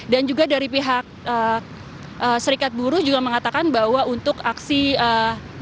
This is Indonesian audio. dan juga dari pihak serikat buruh juga mengatakan bahwa untuk aksi damai